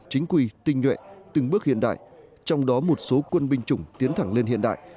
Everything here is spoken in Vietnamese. chính quy tinh nhuệ từng bước hiện đại trong đó một số quân binh chủng tiến thẳng lên hiện đại